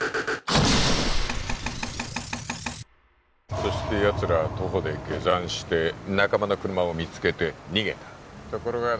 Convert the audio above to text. そしてやつらは徒歩で下山して仲間の車を見つけて逃げたところがだ